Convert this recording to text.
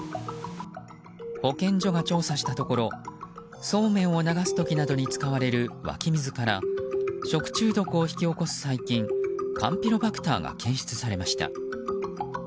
保健所が調査したところそうめんを流す時などに使われる湧き水から食中毒を引き起こす細菌カンピロバクターが検出されました。